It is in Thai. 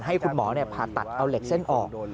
ให้คุณหมอผ่าตัดเอาเหล็กเส้นออก